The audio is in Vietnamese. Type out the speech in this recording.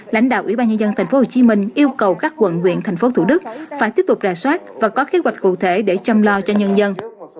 lãnh đạo ủy ban nhân dân tp hcm yêu cầu các quận huyện thành phố thủ đức phải tiếp tục rà soát và có kế hoạch cụ thể để chăm lo cho nhân dân